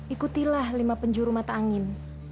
ikutilah lima penjuru mata angin